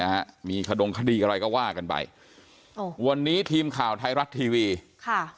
นะฮะมีขดงคดีอะไรก็ว่ากันไปโอ้วันนี้ทีมข่าวไทยรัฐทีวีค่ะ